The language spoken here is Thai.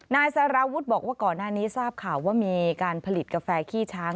นายสารวุฒิบอกว่าก่อนหน้านี้ทราบข่าวว่ามีการผลิตกาแฟขี้ช้าง